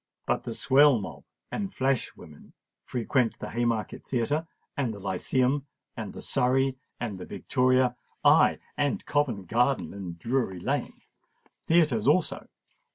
But the swell mob and flash women frequent the Haymarket Theatre—and the Lyceum—and the Surrey—and the Victoria—aye, and Covent Garden and Drury Lane Theatres also.